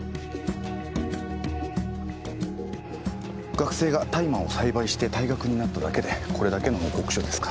学生が大麻を栽培して退学になっただけでこれだけの報告書ですか。